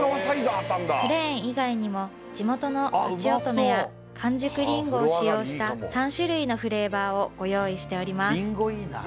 プレーン以外にも地元のとちおとめや完熟りんごを使用した３種類のフレーバーをご用意しております